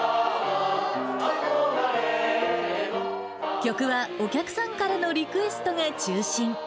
曲はお客さんからのリクエストが中心。